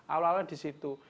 awal awal di situ